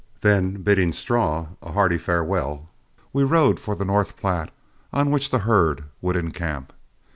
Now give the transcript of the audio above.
Then bidding Straw a hearty farewell, we rode for the North Platte, on which the herd would encamp.